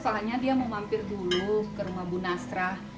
soalnya dia mau mampir dulu ke rumah bu nasra